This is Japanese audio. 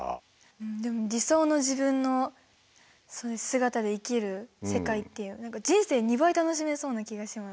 でも理想の自分の姿で生きる世界って何か人生２倍楽しめそうな気がします。